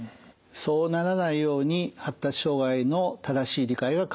そうならないように発達障害の正しい理解は欠かせません。